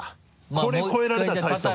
これ超えられたらたいしたもんだよ。